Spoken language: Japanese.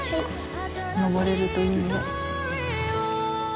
登れるといいね。